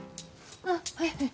あっはいはい。